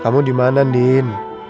kamu dimana din